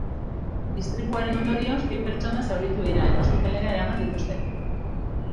Istripuaren ondorioz, bi pertsona zauritu dira eta ospitalera eraman dituzte.